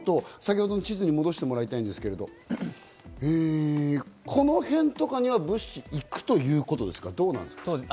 先ほどの地図に戻してもらいたいんですけど、この辺とかには物資が行くということですか？